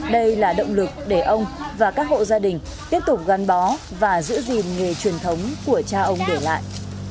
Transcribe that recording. đây là động lực để ông và các hộ gia đình tiếp tục gắn bó và giữ gìn nghề truyền thống của cha ông để lại